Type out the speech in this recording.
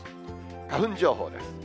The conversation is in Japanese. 花粉情報です。